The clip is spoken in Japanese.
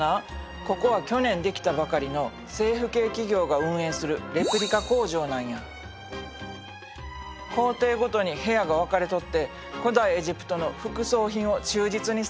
ここは去年できたばかりの政府系企業が運営する工程ごとに部屋が分かれとって古代エジプトの副葬品を忠実に再現してるんや。